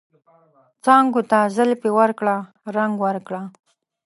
څانګو ته زلفې ورکړه ، رنګ ورکړه